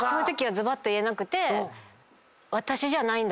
ずばっと言えなくて。